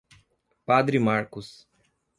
Padre Marcos